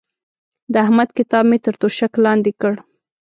د احمد کتاب مې تر توشک لاندې کړ.